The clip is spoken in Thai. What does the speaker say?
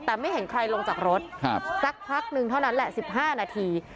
แต่ไม่เห็นใครลงจากรถสักพักนึงเท่านั้นแหละ๑๕นาที